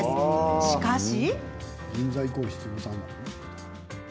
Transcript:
しかし。